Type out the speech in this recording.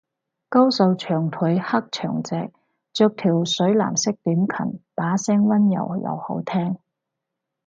高瘦長腿黑長直，着條水藍色短裙，把聲溫柔又好聽